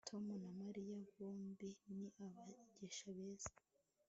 Tom na Mariya bombi ni abigisha beza